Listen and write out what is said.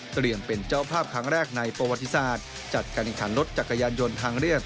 เป็นเจ้าภาพครั้งแรกในประวัติศาสตร์จัดการแข่งขันรถจักรยานยนต์ทางเรียบ